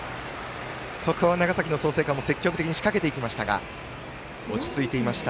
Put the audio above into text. ここは長崎の創成館も積極的に仕掛けていきましたが落ち着いていました。